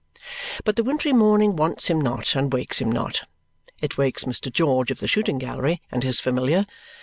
But the wintry morning wants him not and wakes him not. It wakes Mr. George of the shooting gallery and his familiar.